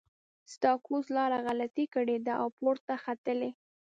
ستا ګوز لاره غلطه کړې ده او پورته ختلی.